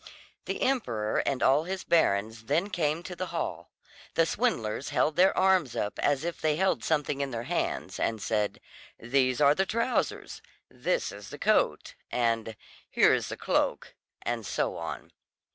The emperor and all his barons then came to the hall; the swindlers held their arms up as if they held something in their hands and said: "These are the trousers!" "This is the coat!" and "Here is the cloak!" and so on.